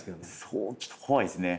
そうちょっと怖いですね。